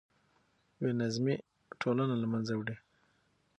بې نظمي ټولنه له منځه وړي.